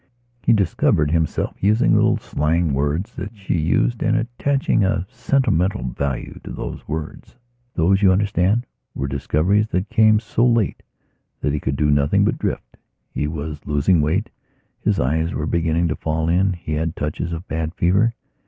He discovered himself using little slang words that she used and attaching a sentimental value to those words. These, you understand, were discoveries that came so late that he could do nothing but drift. He was losing weight; his eyes were beginning to fall in; he had touches of bad fever.